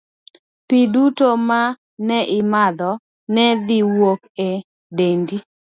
Pi duto ma ne imadho ne dhi wuok e dendi.